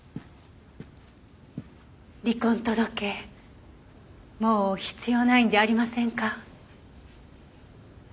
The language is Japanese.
離婚届もう必要ないんじゃありませんか？